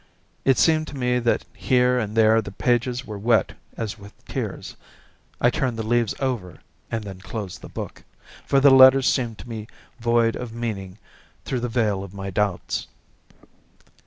It seemed to me that here and there the pages were wet as if with tears. I turned the leaves over and then closed the book, for the letters seemed to me void of meaning through the veil of my doubts.